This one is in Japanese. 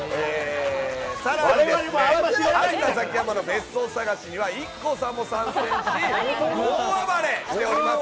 さらにですね、有田ザキヤマの別荘探しには、ＩＫＫＯさんも参戦し、大暴れしております。